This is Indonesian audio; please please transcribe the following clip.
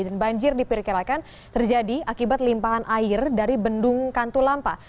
dan banjir diperkirakan terjadi akibat limpahan air dari bendung kantulampah